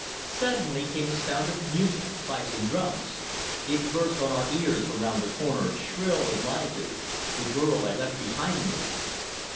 Suddenly came a sound of music, fifes and drums. It burst on our ears from round the corner, shrill and lively "The Girl I Left Behind Me."